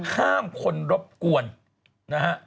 ห้ามคนรบกวน